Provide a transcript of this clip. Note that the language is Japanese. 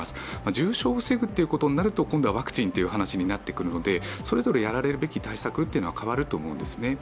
重症を防ぐということになると今度はワクチンっていう話になってくるのでそれぞれやるべき対策っていうのは変わると思うんですね。